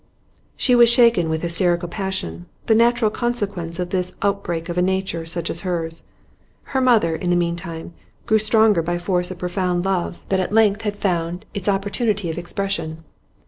She was shaken with hysterical passion, the natural consequence of this outbreak in a nature such as hers. Her mother, in the meantime, grew stronger by force of profound love that at length had found its opportunity of expression.